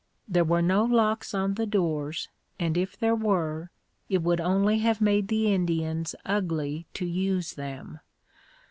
There were no locks on the doors and if there were, it would only have made the Indians ugly to use them.